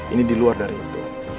ini diluar dari itu